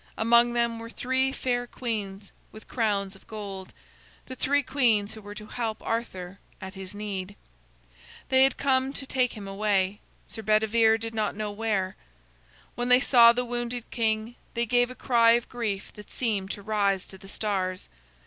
Among them were three fair queens with crowns of gold the three queens who were to help Arthur at his need. They had come to take him away, Sir Bedivere did not know where. When they saw the wounded king, they gave a cry of grief that seemed to rise to the stars.